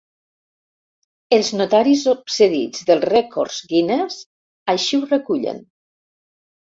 Els notaris obsedits dels Rècords Guinness així ho recullen.